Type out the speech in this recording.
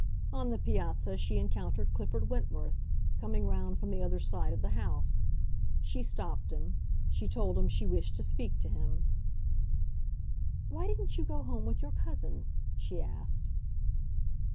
On the piazza she encountered Clifford Wentworth, coming round from the other side of the house. She stopped him; she told him she wished to speak to him. "Why didn't you go home with your cousin?" she asked.